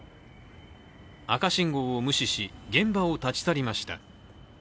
赤信号を無視し、現場を立ち去りました。